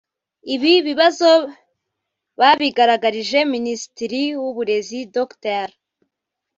Ibi bibazo babigaragarije minisitiri w’uburezi Dr